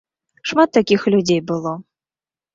Шмат такіх людзей было.